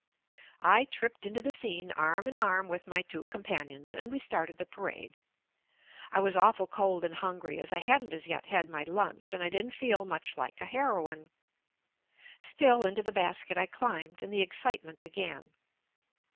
I tripped into the scene, arm in arm with my two companions, and we started the parade. I was awful cold and hungry, as I hadn't as yet had my lunch, and I didn't feel much like a heroine. Still into the basket I climbed and the JUST ME excitement began.